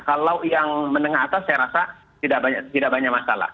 kalau yang menengah atas saya rasa tidak banyak masalah